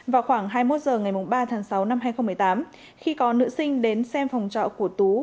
vào khoảng hai mươi một h ngày ba tháng sáu năm hai nghìn một mươi tám khi có nữ sinh đến xem phòng trọ của tú